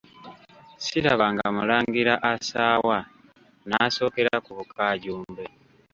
Sirabanga Mulangira asaawa, Nnasookera ku Bukaajumbe.